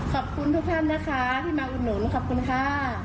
ขอบคุณนะคะพี่มาคุณหนุนขอบคุณค่ะ